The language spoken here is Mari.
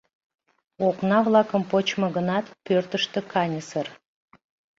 Окна-влакым почмо гынат, пӧртыштӧ каньысыр.